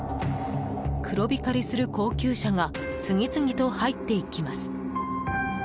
黒光りする高級車が次々と入っていきます。